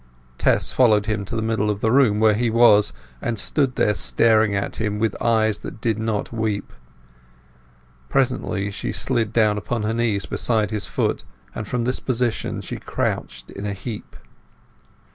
Tess followed him to the middle of the room, where he was, and stood there staring at him with eyes that did not weep. Presently she slid down upon her knees beside his foot, and from this position she crouched in a heap.